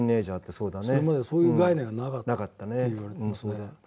それまでそういう概念がなかったと言われてますね。